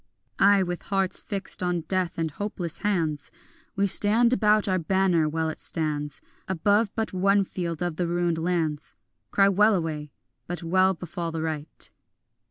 Ay, with hearts fixed on death and hopeless hands We stand about our banner while it stands Above but one field of the ruined lands; Cry wellaway, but well befall the right.